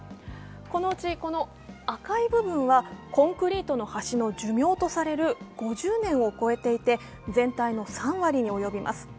このうち、赤い部分はコンクリートの橋の寿命とされる５０年を超えていて、全体の３割に及びます。